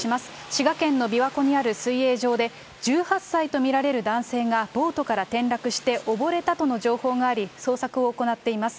滋賀県の琵琶湖にある水泳場で、１８歳と見られる男性がボートから転落して溺れたとの情報があり、捜索を行っています。